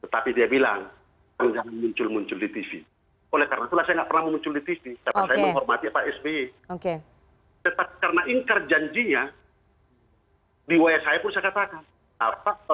tetapi dia bilang jangan muncul muncul di tv oleh karena itulah saya tidak pernah muncul di tv karena saya menghormati pak sbi